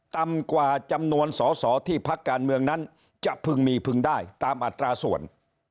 ต่ำกว่าจำนวนสอสอที่พักการเมืองนั้นจะพึงมีพึงได้ตามอัตราส่วน